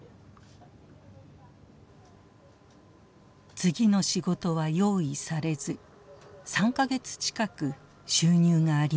次の仕事は用意されず３か月近く収入がありません。